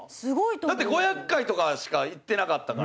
だって５００回とかしかいってなかったから。